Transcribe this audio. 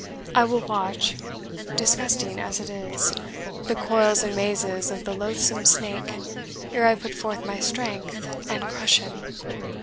I will watch, disgusting as it is, the coils and mazes of the loathsome snake, ere I put forth my strength and crush him."